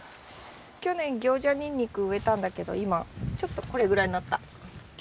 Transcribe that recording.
去年行者ニンニク植えたんだけど今ちょっとこれぐらいになった。